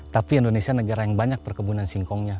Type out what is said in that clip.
tapi indonesia negara yang banyak perkebunan singkongnya